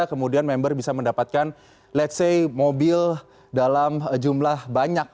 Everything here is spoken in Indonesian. kemudian member bisa mendapatkan let's say mobil dalam jumlah banyak